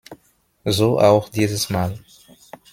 So auch dieses Mal.